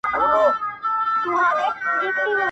دا کیسه به په رباب کي شرنګېدله!.